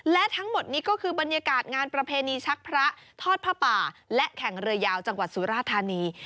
และทั้งหมดนี้ก็คือบรรยากาศงานประเพณีชักพระทอดผ้าป่าและแข่งเรือยาวจังหวัดสุราธานี